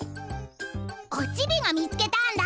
オチビが見つけたんだ！